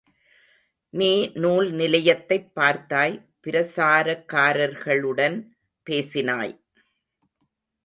நீ நூல் நிலையத்தைப் பார்த்தாய், பிரசாரகர்களுடன் பேசினாய்.